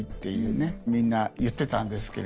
みんな言ってたんですけれど